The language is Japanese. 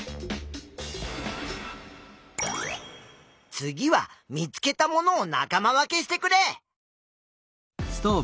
次は見つけたものを仲間分けしてくれ。